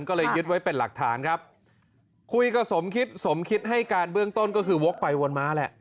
ก็เลยยึดไว้เป็นหลักฐานครับคุยกับสมคิดสมคิดให้การเบื้องต้นก็คือวกไปวนมาแหละ